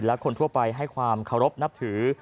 และคนทั่วไปให้ความเคารพนับถือ